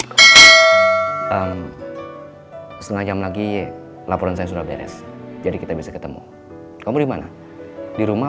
setengah jam lagi laporan saya sudah beres jadi kita bisa ketemu kamu dimana di rumah